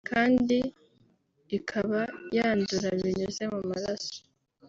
kandi ikaba yandura binyuze mu maraso